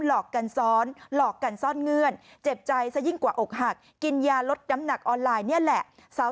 หลอกกันซ้อนหลอกกันซ่อนเงื่อนเจ็บใจซะยิ่งกว่าอกหักกินยาลดน้ำหนักออนไลน์นี่แหละ